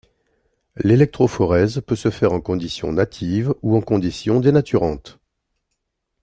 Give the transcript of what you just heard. L'électrophorèse peut se faire en conditions natives ou en conditions dénaturantes.